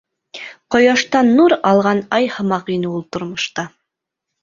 Ҡояштан нур алған ай һымаҡ ине ул тормошта.